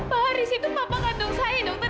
pak haris itu papa ngantuk saya dokter